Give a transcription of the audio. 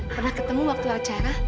pernah ketemu waktu acara